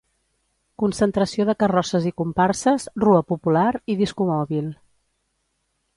Concentració de carrosses i comparses, rua popular i discomòbil.